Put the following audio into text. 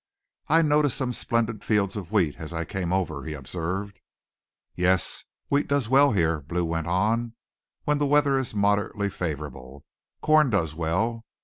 "I noticed some splendid fields of wheat as I came over," he observed. "Yes, wheat does well here," Blue went on, "when the weather is moderately favorable. Corn does well.